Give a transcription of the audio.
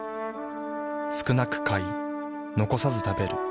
少なく買い残さず食べる。